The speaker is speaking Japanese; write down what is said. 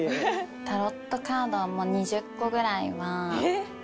タロットカードはもう２０個ぐらいは。